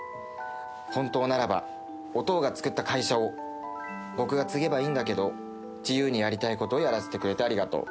本当ならば、おとうが作った会社を僕が継げばいいんだけど、自由にやりたいことをやらせてくれてありがとう。